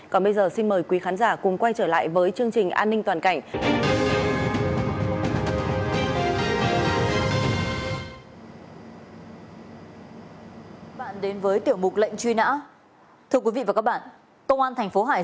còn bây giờ xin mời quý khán giả cùng quay trở lại với chương trình an ninh toàn cảnh